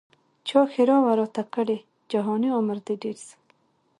چا ښرا وه راته کړې جهاني عمر دي ډېر سه